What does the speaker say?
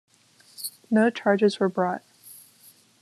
No charges were brought.